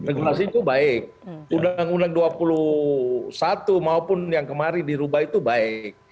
regulasi itu baik undang undang dua puluh satu maupun yang kemarin dirubah itu baik